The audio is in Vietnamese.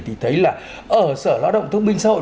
thì thấy là ở sở lã động thông minh xã hội